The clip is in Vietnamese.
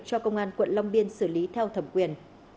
cho công an quận long biên xử lý theo thẩm quyền